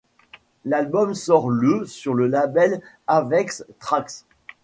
L'album sort le sur le label Avex Trax.